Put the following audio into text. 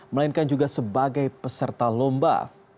melainkan juga sebagai peserta lomba